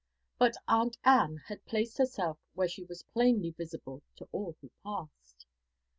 But Aunt Ann had placed herself where she was plainly visible to all who passed.